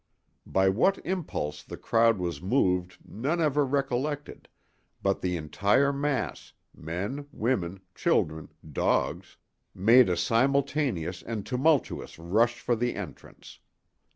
By what impulse the crowd was moved none ever recollected, but the entire mass—men, women, children, dogs—made a simultaneous and tumultuous rush for the entrance.